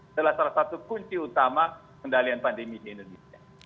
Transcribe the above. adalah salah satu kunci utama kendalian pandemi di indonesia